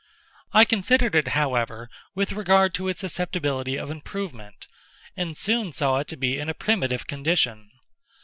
I considered it, however, with regard to its susceptibility of improvement, and soon saw it to be in a primitive condition.